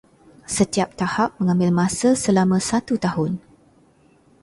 Setiap tahap mengambil masa selama satu tahun.